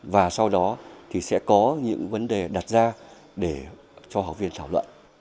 và sau đó thì sẽ có những vấn đề đặt ra để cho học viên thảo luận